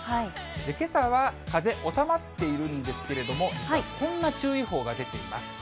けさは風収まっているんですけれども、こんな注意報が出ています。